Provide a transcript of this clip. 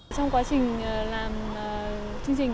trong quá trình làm chương trình